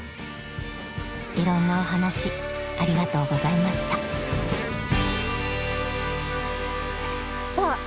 いろんなお話ありがとうございましたさあ